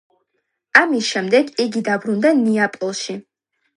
ამის შემდეგ იგი დაბრუნდა ნეაპოლში.